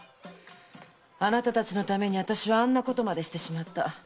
あなたたちのために私はあんなことまでしてしまった。